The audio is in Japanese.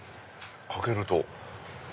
かけると。